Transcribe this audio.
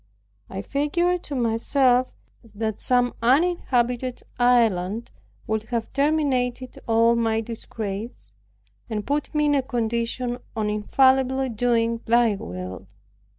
I figured to myself, that some uninhabited island would have terminated all my disgraces, and put me in a condition of infallibly doing Thy will.